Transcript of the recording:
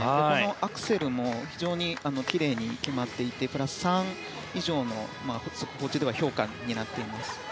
アクセルも非常にきれいに決まっていてプラス３以上の速報値では評価になっています。